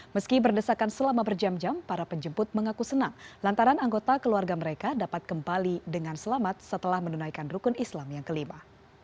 meski berdesakan selama berjam jam para penjemput mengaku senang lantaran anggota keluarga mereka dapat kembali dengan selamat setelah menunaikan rukun islam yang kelima